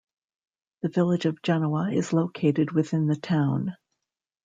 The Village of Genoa is located within the town.